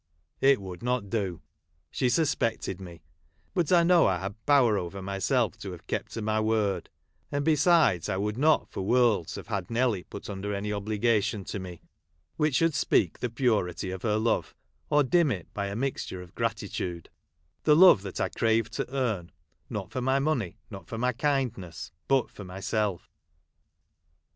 It would not do ; she suspected me ; but I know I had power over myself to have kept to my word; and besides, 1 would not for worlds have had Nelly put under any obligation to me, which should speck the purity of her love, or dim it by a mixture of gratitude,— the love that I craved to earn, not for my money, not for my kindness, but for myself.